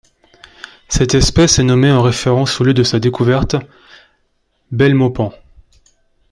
Cette espèce est nommée en référence au lieu de sa découverte, Belmopan.